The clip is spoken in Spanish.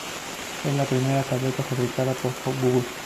Es la primera tableta fabricada por Google.